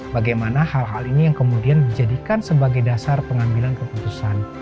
bagaimana hal hal ini yang kemudian dijadikan sebagai dasar pengambilan keputusan